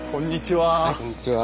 はいこんにちは。